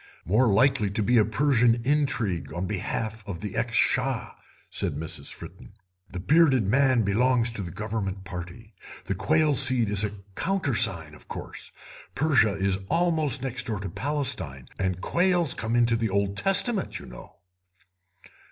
"More likely to be a Persian intrigue on behalf of the ex Shah," said Miss Fritten; "the bearded man belongs to the Government Party. The quail seed is a countersign, of course; Persia is almost next door to Palestine, and quails come into the Old Testament, you know."